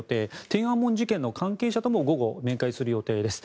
天安門事件の関係者とも午後、面会する予定です。